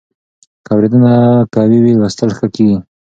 که اورېدنه قوي وي، لوستل ښه کېږي.